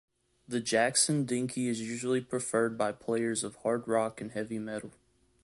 The Jackson Dinky is usually preferred by players of hard rock and heavy metal.